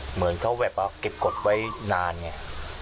เหมือนเขาแบบว่าเก็บกฎไว้นานไง